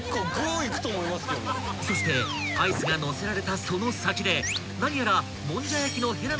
［そしてアイスが載せられたその先で何やら］